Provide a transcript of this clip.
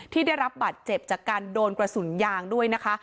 ได้รับบาดเจ็บจากการโดนกระสุนยางด้วยนะคะ